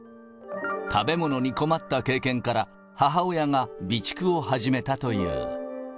食べ物に困った経験から、母親が備蓄を始めたという。